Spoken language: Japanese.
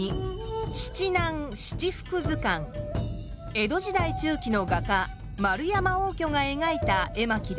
江戸時代中期の画家円山応挙がえがいた絵巻です。